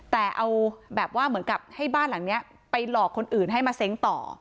แต่เอาแบบว่าเหมือนกับให้บ้านหลังนี้ไปหลอกคนอื่นให้มาเซ้งต่อ